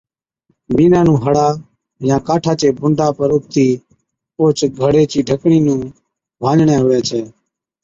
بِينڏا نُون ھڙا يان ڪاٺا چي بُنڊا پر اُڀتِي او گھڙي چِي ڍڪڻِي نُون ڀاڃڙي ھُوي ڇَي